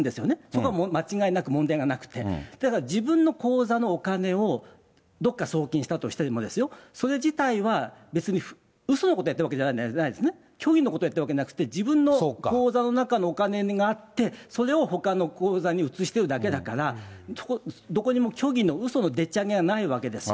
それは間違いなく問題がなくて、だから、自分の口座のお金をどっか送金したとしてもですよ、それ自体は別にうそのことをやっているわけじゃないですよね、虚偽のことやってるわけではなくて、自分の口座の中のお金があって、それをほかの口座に移してるだけだから、どこにも虚偽の、うそのでっちあげはないわけです。